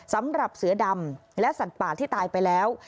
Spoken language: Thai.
สำหรับเสือดำและสัตว์ป่าที่ตายไปแล้ว